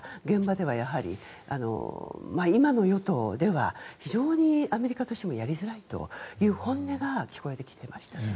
現場では今の与党では非常にアメリカとしてもやりづらいという本音が聞こえてきていました。